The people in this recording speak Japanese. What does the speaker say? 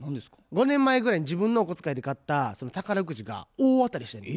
５年ぐらい前に自分のお小遣いで買った宝くじが大当たりしてんねん。